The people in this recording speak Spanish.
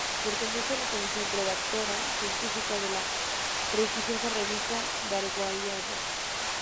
Pertenece a la "Comisión redactora científica" de la prestigiosa revista "Darwiniana".